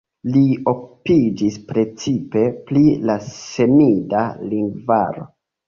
Li okupiĝis precipe pri la semida lingvaro.